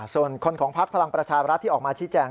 ส่วนคนของพักพลังประชารัฐที่ออกมาชี้แจง